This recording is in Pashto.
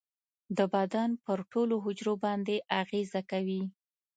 د بدن پر ټولو حجرو باندې اغیزه کوي.